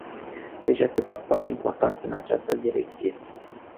Deja se fac pași importanți în această direcție.